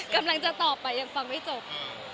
กำลังจะตอบไปยังฟังไม่จบ